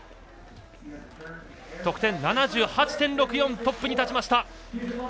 得点、７８．６４トップに立ちました。